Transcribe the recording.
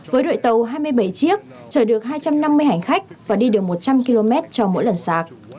với đội tàu hai mươi bảy chiếc chở được hai trăm năm mươi hành khách và đi được một trăm linh km cho mỗi lần sạc